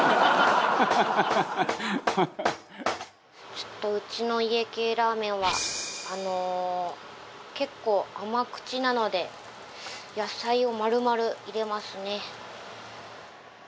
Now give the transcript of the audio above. ちょっとうちの家系ラーメンは結構甘口なので野菜を丸々入れますね。